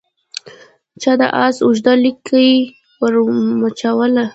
چا د آس اوږده لکۍ ور مچوله